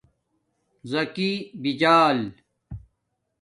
زَکی بِجال